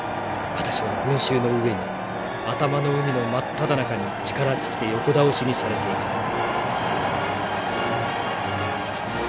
私は群衆の上に頭の海の真っただ中に力尽きて横倒しにされていた」。